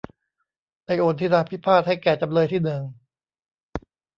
ได้โอนที่นาพิพาทให้แก่จำเลยที่หนึ่ง